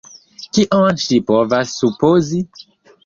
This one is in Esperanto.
Kion ŝi povas supozi?